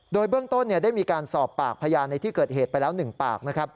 โดยเบื้องต้นได้มีการสอบปากพยานในที่เกิดเหตุไปแล้ว๑ปากนะครับ